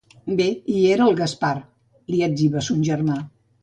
Bé hi era, el Gaspar —li etziba son germà—.